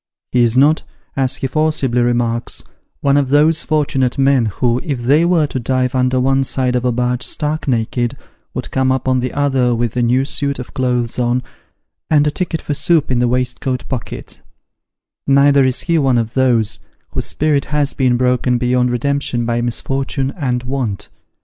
He is not, as he forcibly remarks, " one of those fortunate men who, if they were to dive under one side of a barge stark naked, would come up on the other with a new suit of clothes on, and a ticket for soup in the waistcoat pocket :" neither is ho one of those, whose spirit has been broken beyond redemption by misfortune and want.